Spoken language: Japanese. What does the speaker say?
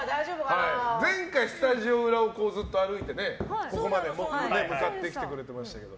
前回、スタジオ裏を歩いてここまで向かってきてくれてましたけど。